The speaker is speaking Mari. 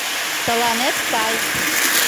— Тыланет сай...